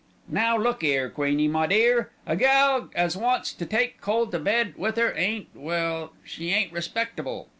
"Now look 'ere, Queenie, my dear, a gal as wants to take coal to bed with 'er ain't well, she ain't respectable.